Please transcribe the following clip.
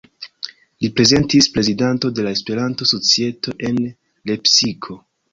Li estis prezidanto de la Esperanto-Societo en Lepsiko.